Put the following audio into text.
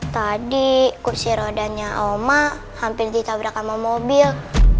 tadi kursi rodanya oma hampir ditabrak sama mobil